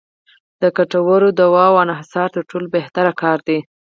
د ګټورو درملو انحصار تر ټولو بهتره کار دی.